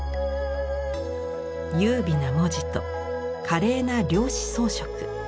優美な文字と華麗な料紙装飾。